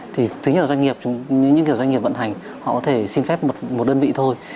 thì thứ nhất là doanh nghiệp những doanh nghiệp vận hành họ có thể xin phép một đơn vị